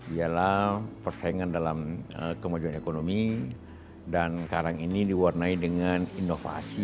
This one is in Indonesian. ialah persaingan dalam kemajuan ekonomi dan sekarang ini diwarnai dengan inovasi